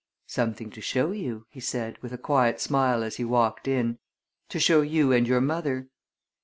"Something to show you," he said with a quiet smile as he walked in. "To show you and your mother."